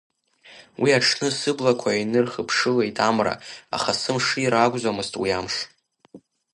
Уи аҽны сыблақәа инархыԥшылеит амра, аха, сымшира акәӡамызт уи амш…